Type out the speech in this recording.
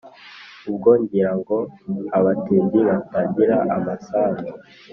Ubwo ngira ngo abatindi Batagira amasambu